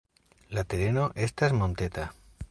La tereno estas monteta.